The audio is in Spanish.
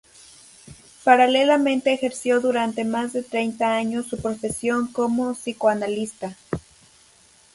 Paralelamente ejerció durante más de treinta años su profesión como psicoanalista.